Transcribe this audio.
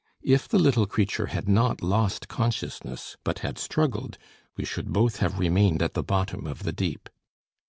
If the little creature had not lost consciousness but had struggled, we should both have remained at the bottom of the deep.